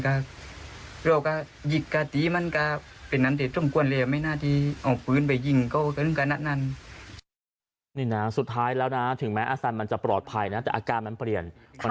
ขายเข้าใกล้มันก็ไม่ได้มันเล่าแว่งแบบทั้งหมดเลย